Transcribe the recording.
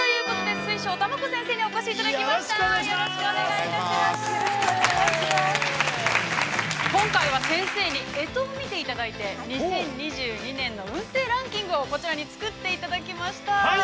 今回は先生に手相を見ていただいて、干支を見ていただいて、２０２２年の運勢ランキングをこちらに作っていただきました。